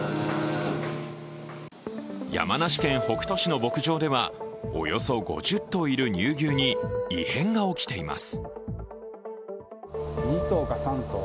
山梨県北杜市の牧場では、およそ５０頭いる乳牛に異変が起きています。